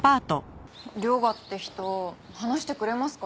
涼牙って人話してくれますかね？